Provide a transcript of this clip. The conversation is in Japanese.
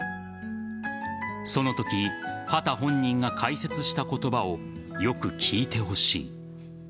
そのとき、畑本人が解説した言葉をよく聞いてほしい。